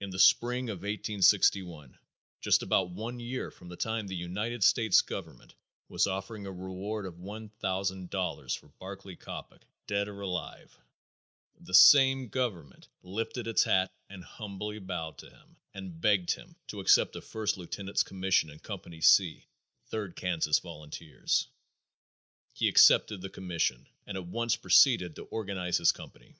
In the spring of 1861, just about one year from the time the United States Government was offering a reward of one thousand dollars for Barclay Coppock, dead or alive, the same government lifted its hat and humbly bowed to him, and begged him to accept a first lieutenant's commission in Company C, Third Kansas volunteers. He accepted the commission and at once proceeded to organize his company.